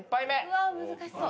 うわ難しそう。